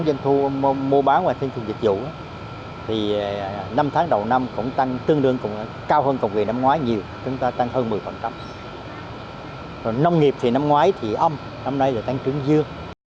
rồi nông nghiệp thì năm ngoái thì âm năm nay là tăng trưởng dương